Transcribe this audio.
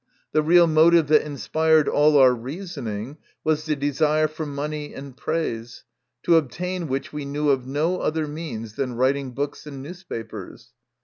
The real motive that inspired all our reasoning was the desire for money and praise, to obtain which we knew of no other means than writing books and newspapers.